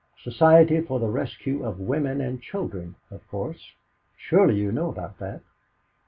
"Society for the Rescue of Women and Children, of course. Surely you know about that?"